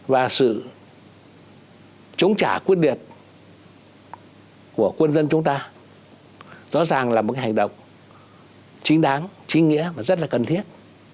và sự chống trả quyết liệt của quân dân chúng ta rõ ràng là một hành động chính đáng chính nghĩa và rất là cần thiết